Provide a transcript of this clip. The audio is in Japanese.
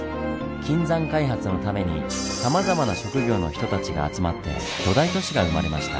金山開発のためにさまざまな職業の人たちが集まって巨大都市が生まれました。